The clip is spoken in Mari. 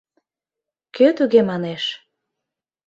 Кӧ туге манеш?